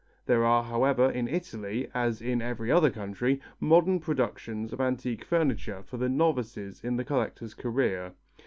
There are, however, in Italy, as in every other country, modern productions of antique furniture for the novices in the collector's career.